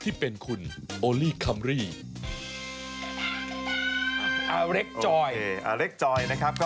ก็ตอนนี้ครับ